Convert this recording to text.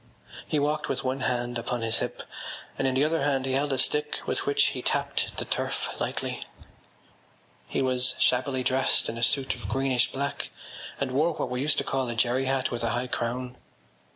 He walked with one hand upon his hip and in the other hand he held a stick with which he tapped the turf lightly. He was shabbily dressed in a suit of greenish black and wore what we used to call a jerry hat with a high crown.